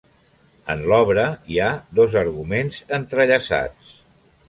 En l'obra hi ha dos arguments entrellaçats.